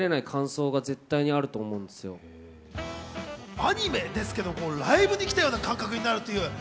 アニメですけれど、ライブに来たような感覚になるという。